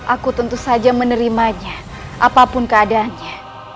aku tentu saja menerimanya apapun keadaannya